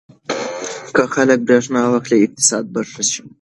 که خلک برېښنا واخلي اقتصاد به ښه شي.